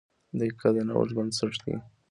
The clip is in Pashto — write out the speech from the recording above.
• دقیقه د نوښت بنسټ ده.